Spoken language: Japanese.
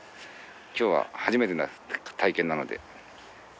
今日は初めての体験なので頑張ります。